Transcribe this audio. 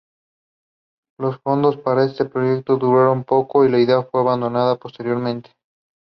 The track was removed from the game when the event was over.